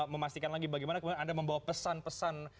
memastikan lagi bagaimana kemudian anda membawa pesan pesan